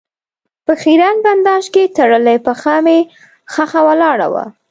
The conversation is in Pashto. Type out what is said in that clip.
په خېرن بنداژ کې تړلې پښه مې ښخه ولاړه وه.